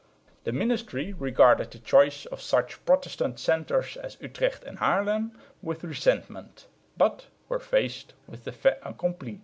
The ministry regarded the choice of such Protestant centres as Utrecht and Haarlem with resentment, but were faced with the fait accompli.